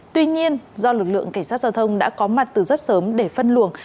tuy nhiên do lực lượng cảnh sát giao thông đã có mặt từ rất sớm để phân luồng